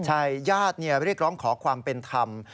ใช่ญาตินี่เรียกร้องขอความเป็นคำ